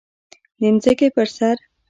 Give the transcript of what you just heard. د ځمکې پر سر